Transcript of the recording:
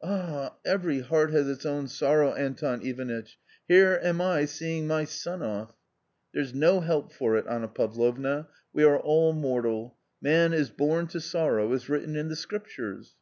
"Ah, every heart has its own sorrow, Anton Ivanitch, here am I seeing my son off." "There's no help for it, Anna Pavlovna, we are all mortal ;' man is born to sorrow,' is written in the Scriptures."